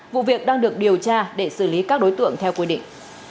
vụ việc đang được điều tra để xử lý các đối tượng theo quy định